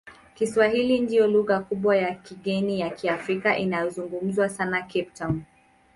Kiswahili ndiyo lugha kubwa ya kigeni ya Kiafrika inayozungumzwa sana Cape Town.